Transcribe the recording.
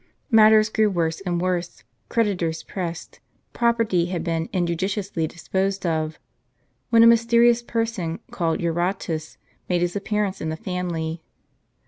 Matters grew worse and worse ; creditors pressed ; property had been injudiciously disposed of; when a mysterious person, called Eurotas, made his appearance in the family.